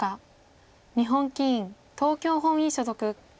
日本棋院東京本院所属。